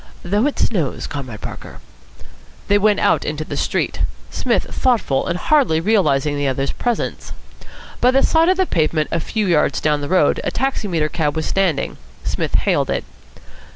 "Though it snows, Comrade Parker." They went out into the street, Psmith thoughtful and hardly realising the other's presence. By the side of the pavement a few yards down the road a taximeter cab was standing. Psmith hailed it.